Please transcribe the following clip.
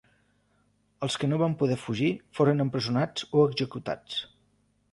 Els que no van poder fugir foren empresonats o executats.